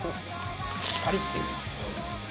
パリッて。